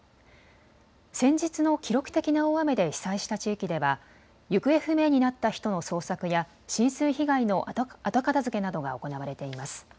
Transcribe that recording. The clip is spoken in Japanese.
先日の記録的な大雨で被災した地域では行方不明になった人の捜索や浸水被害の後片づけなどが行われています。